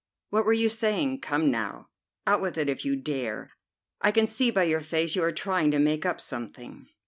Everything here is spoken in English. "What were you saying? Come now, out with it if you dare. I can see by your face you are trying to make up something."